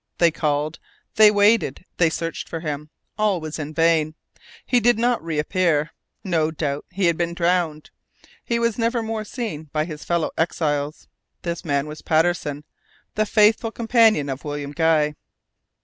They called, they waited, they searched for him. All was in vain. He did not reappear; no doubt he had been drowned. He was never more seen by his fellow exiles. This man was Patterson, the faithful companion of William Guy.